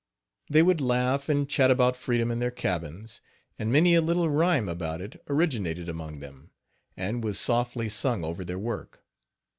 They would laugh and chat about freedom in their cabins; and many a little rhyme about it originated among them, and was softly sung over their work.